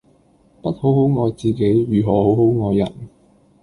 不好好愛自己如何好好愛人